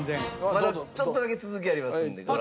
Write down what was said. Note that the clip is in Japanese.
まだちょっとだけ続きありますのでご覧ください。